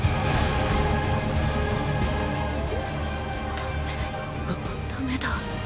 ダメダメだ！